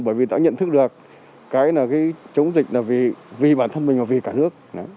bởi vì đã nhận thức được cái là cái chống dịch là vì bản thân mình và vì cả nước